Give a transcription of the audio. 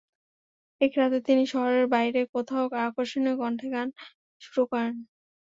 এক রাতে তিনি শহরের বাইরে কোথাও আকর্ষণীয় কণ্ঠে গান শুরু করেন।